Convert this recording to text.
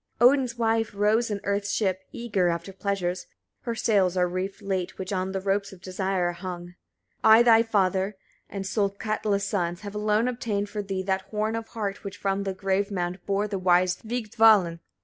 77. Odin's wife rows in earth's ship, eager after pleasures; her sails are reefed late, which on the ropes of desire are hung. 78. Son! I thy father and Solkatla's sons have alone obtained for thee that horn of hart, which from the grave mound bore the wise Vigdvalin.